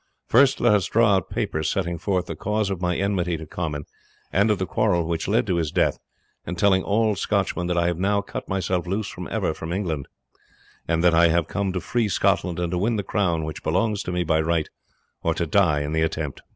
First let us draw out papers setting forth the cause of my enmity to Comyn, and of the quarrel which led to his death, and telling all Scotchmen that I have now cut myself loose for ever from England, and that I have come to free Scotland and to win the crown which belongs to me by right, or to die in the attempt."